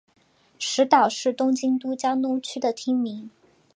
石岛是东京都江东区的町名。